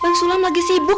bang sulam lagi sibuk